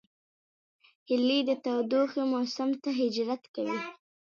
هیلۍ د تودوخې موسم ته هجرت کوي